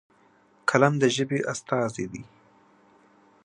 قلم د ژبې استازی دی.